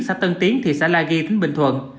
xã tân tiến thị xã la ghi tỉnh bình thuận